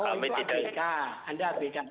oh itu abk anda abk